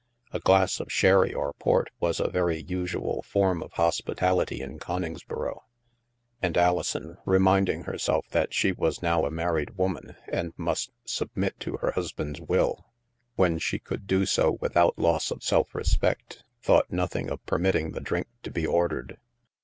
A glass of sherry or port was a very usual form of hospitality in Coningsboro; and Ali son, reminding herself that she was now a married woman, and must " submit to her husband's will " when she could do so without loss of self respect, thought nothing of permitting the drink to be or dered.